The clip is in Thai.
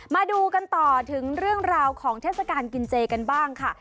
มาดูกันต่อถึงเรื่องราวของเทศกาลกินเจกันบ้างค่ะ